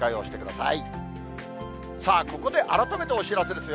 さあここで改めてお知らせですよ。